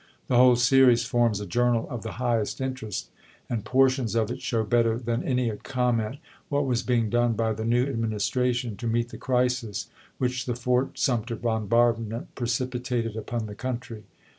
The whole series forms a journal of the highest interest ; and portions of it show better than any comment what was being done by the new Administration to meet the crisis which the Fort Sumter bombardment precipitated upon the country.